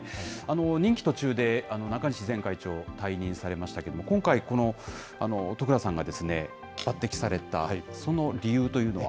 任期途中で、中西前会長、退任されましたけれども、今回この十倉さんが抜擢された、その理由というのは？